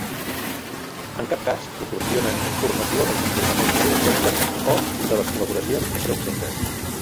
En cap cas proporcionen informació del comportament d'un objecte o de les col·laboracions entre objectes.